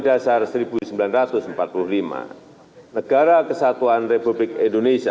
visi yang terlihat syukur